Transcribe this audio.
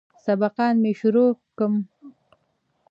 سبقان مې شروع کم.